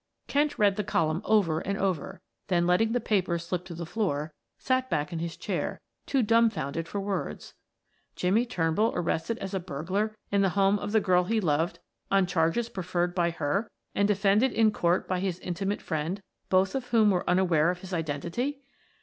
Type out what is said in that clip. Kent read the column over and over, then, letting the paper slip to the floor, sat back in his chair, too dumb founded for words. Jimmie Turnbull arrested as a burglar in the home of the girl he loved on charges preferred by her, and defended in court by his intimate friend, both of whom were unaware of his identity!